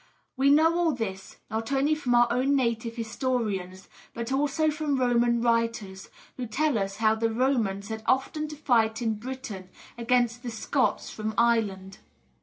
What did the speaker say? We know all this, not only from our own native historians, but also from Roman writers, who tell us how the Romans had often to fight in Britain against the Scots from Ireland.